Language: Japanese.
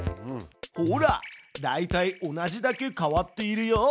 ほらだいたい同じだけ変わっているよ。